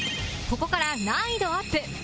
ここから難易度アップ